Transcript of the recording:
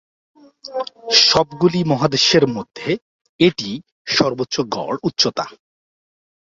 সবগুলি মহাদেশের মধ্যে এটিই সর্বোচ্চ গড় উচ্চতা।